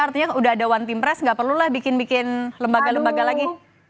artinya udah ada one team press nggak perlulah bikin bikin lembaga lembaga lagi